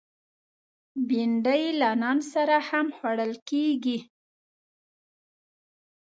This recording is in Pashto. بېنډۍ له نان سره هم خوړل کېږي